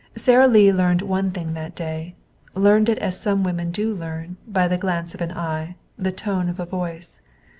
Sara Lee learned one thing that day, learned it as some women do learn, by the glance of an eye, the tone of a voice.